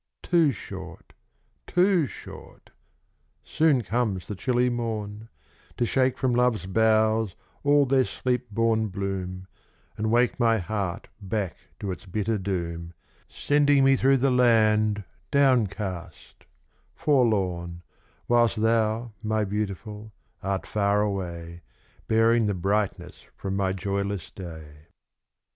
Too short too short soon comes the chilly morn, To shake from love's boughs all their sleep born bloom, And wake my heart back to its bitter doom, Sending me through the land down cast, forlorn, Whilst thou, my Beautiful, art far away, Bearing the brightness from my joyless day.